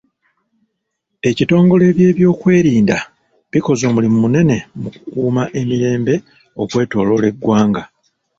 Ekitongole by'ebyokwerinda bikoze omulimu munene mu kukuuma emirembe okwetooloola eggwanga.